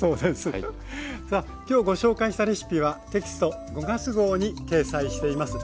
さあ今日ご紹介したレシピはテキスト５月号に掲載しています。